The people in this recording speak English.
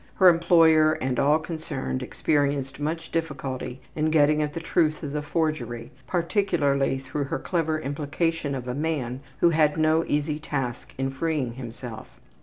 Her employer and all concerned experienced much difficulty in getting at the truth of the forgery, particularly through her clever implication of a man who had no easy task in freeing himself.